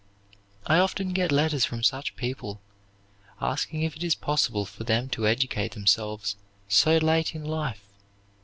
I often get letters from such people, asking if it is possible for them to educate themselves so late in life.